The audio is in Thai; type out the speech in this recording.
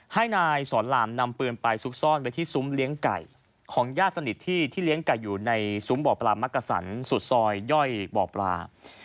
ให้นายสอนรามนำปืนไปซุกซ่อนไว้ที่ซุ้มเลี้ยงไก่ของญาติสนิทที่เลี้ยงไก่อยู่ในซุ้มบ่อปลามักกะสันสุดซอยย่อยบ่อปลา